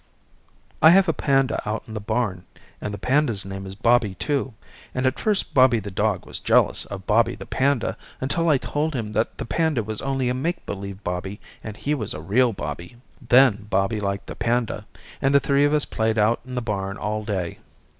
I have a panda out in the barn and the panda's name is Bobby too and at first Bobby the dog was jealous of Bobby the panda until I told him that the panda was only a make believe Bobby and he was a real Bobby. Then Bobby liked the panda, and the three of us played out in the barn all day.